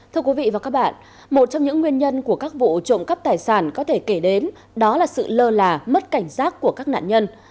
thưa quý vị và các bạn một trong những nguyên nhân của các vụ trộm cắp tài sản có thể kể đến đó là sự lơ là mất cảnh giác của các nạn nhân